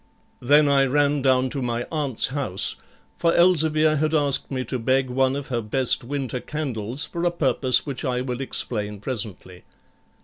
Then I ran down to my aunt's house, for Elzevir had asked me to beg one of her best winter candles for a purpose which I will explain presently.